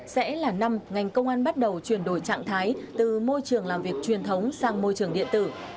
hai nghìn hai mươi bốn sẽ là năm ngành công an bắt đầu chuyển đổi trạng thái từ môi trường làm việc truyền thống sang môi trường điện tử